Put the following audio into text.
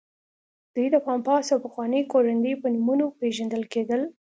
دوی د پامپاس او پخواني کوراندي په نومونو پېژندل کېدل.